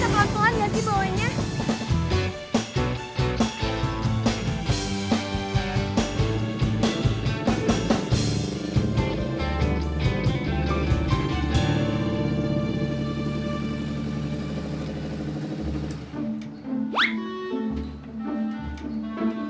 kita bakal ke luar liat sih bonekanya